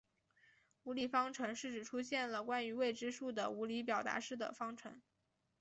无理方程是指出现了关于未知数的无理表达式的方程。